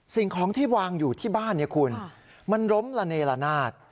สิ่งของที่วางอยู่ที่บ้านเนี่ยคุณมันล้มละเนละนาด